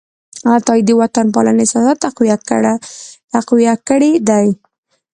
عطايي د وطنپالنې احساسات تقویه کړي دي.